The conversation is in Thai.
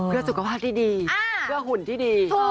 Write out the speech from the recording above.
เพื่อสุขภาพที่ดีเพื่อหุ่นที่ดี